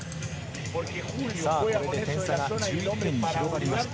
これで点差が１１点に広がりました。